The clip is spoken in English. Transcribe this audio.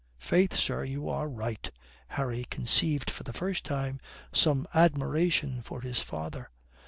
"Faith, sir, you are right," Harry conceived for the first time some admiration for his father.